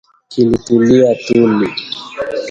Kilitulia tuli